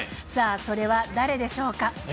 さあ、それは誰でしょうか。